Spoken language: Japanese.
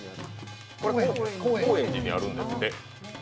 高円寺にあるんですって。